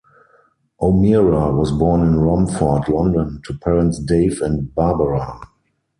O'Meara was born in Romford, London, to parents Dave and Barbara.